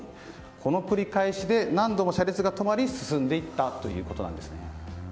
この繰り返しで何度も車列が止まり進んでいったということなんです。